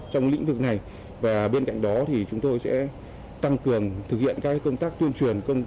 trong lĩnh vực này bên cạnh đó chúng tôi sẽ tăng cường thực hiện các công tác tuyên truyền